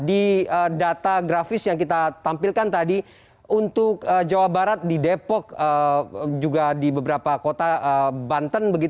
di data grafis yang kita tampilkan tadi untuk jawa barat di depok juga di beberapa kota banten